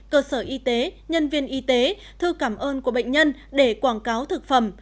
cơ sở y tế nhân viên y tế thư cảm ơn của bệnh nhân để quảng cáo thực phẩm